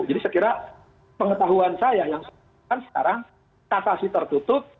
jadi saya kira pengetahuan saya yang sekarang kasasi tertutup